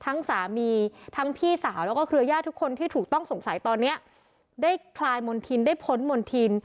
ทั้งสามีทั้งพี่สาวแล้วก็เครือญาติทุกคนที่ถูกต้องสงสัยตอนเนี้ยได้คลายมณฑินได้พ้นมณฑิน